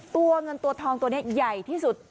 ตัวเงินตัวทองตัวนี้ใหญ่ที่สุด